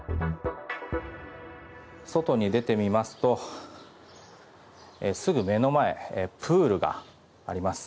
外に出てみますとすぐ目の前プールがあります。